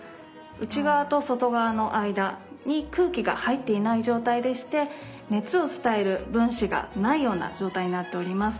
内側と外側の間に空気が入っていない状態でして熱を伝える分子がないような状態になっております。